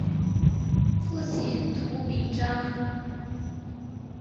父亲涂秉彰。